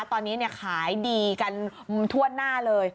ตอนนี้ขายดีกันทั่วหน้าเลย